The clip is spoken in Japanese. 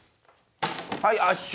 はい圧勝！